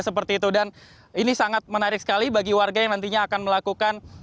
seperti itu dan ini sangat menarik sekali bagi warga yang nantinya akan melakukan